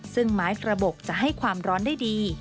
ซึ่งไม้กระบบจะให้ความร้อนได้ดี